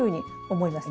思います